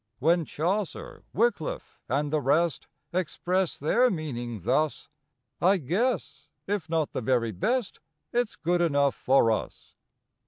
When Chaucer, Wycliff, and the rest Express their meaning thus, I guess, if not the very best, It's good enough for us!